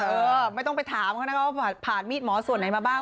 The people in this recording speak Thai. เออไม่ต้องไปถามเขานะว่าผ่านมีดหมอส่วนไหนมาบ้าง